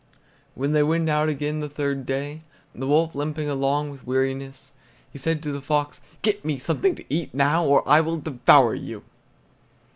When they went out again the third day, the wolf limping along with weariness, he said to the fox: "Get me something to eat now, or I will devour you!"